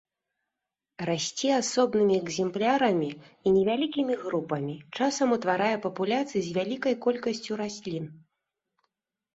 Расце асобнымі экземплярамі і невялікімі групамі, часам утварае папуляцыі з вялікай колькасцю раслін.